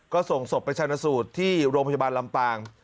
ก็ส่งศพไปชนะสูตรที่โรงพยาบาลลำปาง